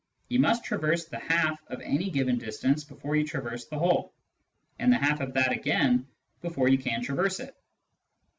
You must traverse the half of any given distance before you traverse the whole, and the half of that again before you can traverse it.